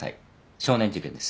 少年事件です。